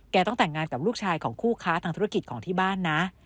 ต้องแต่งงานกับลูกชายของคู่ค้าทางธุรกิจของที่บ้านนะ